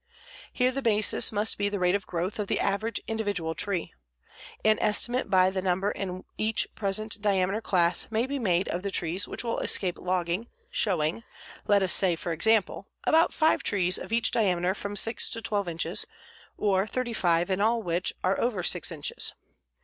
Here the basis must be the rate of growth of the average individual tree. An estimate by the number in each present diameter class may be made of the trees which will escape logging, showing, let us say for example, about five trees of each diameter from 6 to 12 inches, or thirty five in all which are over 6 inches.